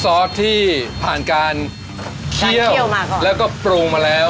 เป็นซอสที่ผ่านการเคี่ยวแล้วก็ปรุงมาแล้ว